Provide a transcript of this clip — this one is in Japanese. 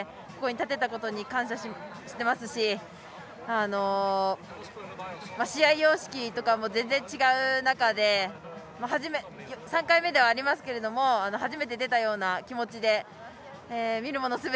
ここに立てたことに感謝していますし試合様式とかも全然違う中で３回目ではありますけれども初めて出たような気持ちで見るもの